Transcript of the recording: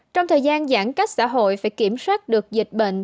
trong thời gian giãn cách xã hội phải kiểm soát được dịch bệnh